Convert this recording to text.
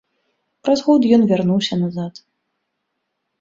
Праз год ён вярнуўся назад.